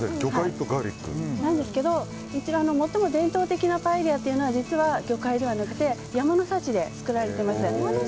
なんですけど最も伝統的なパエリアというのは実は魚介ではなく山の幸で作られています。